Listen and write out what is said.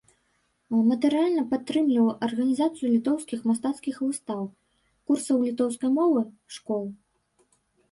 Матэрыяльна падтрымліваў арганізацыю літоўскіх мастацкіх выстаў, курсаў літоўскай мовы, школ.